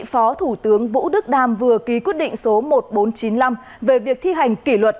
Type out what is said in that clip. phó thủ tướng vũ đức đam vừa ký quyết định số một nghìn bốn trăm chín mươi năm về việc thi hành kỷ luật